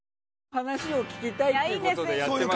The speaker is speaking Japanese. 話を聞きたいっていうことでやってて。